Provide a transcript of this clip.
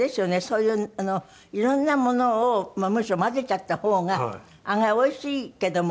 そういう色んなものをむしろ混ぜちゃった方が案外おいしいけども。